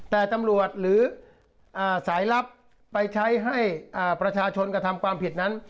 แต่ตำรวจหรือสายลับไปใช้ให้ประชาชนกระทำความผิดนั้น